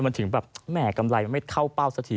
มันถึงแบบแหม่กำไรมันไม่เข้าเป้าสักที